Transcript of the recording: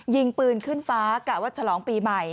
ยิงปืนขึ้นฟ้ากะว่าฉลองปีใหม่